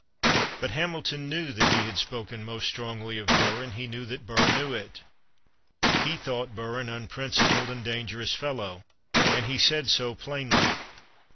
But Hamilton knew that he had spoken most strongly of Burr, and he knew that Burr knew it. He thought Burr an unprincipled and dangerous fellow, and he said so plainly.